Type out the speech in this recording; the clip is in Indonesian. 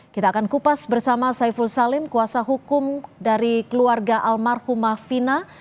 kita akan kupas bersama saiful salim kuasa hukum dari keluarga almarhumah fina